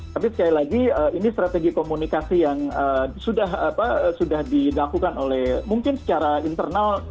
tapi sekali lagi ini strategi komunikasi yang sudah dilakukan oleh mungkin secara internal